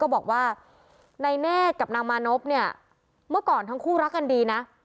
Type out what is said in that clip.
บอกว่านายเนธกับนางมานพเนี่ยเมื่อก่อนทั้งคู่รักกันดีนะ